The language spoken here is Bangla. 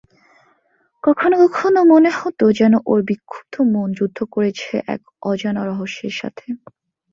কখনো কখনো মনে হত যেন ওর বিক্ষুব্ধ মন যুদ্ধ করছে এক অজানা রহস্যের সাথে।